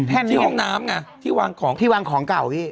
แท่นที่ห้องน้ำไงที่วางของเข้าพี่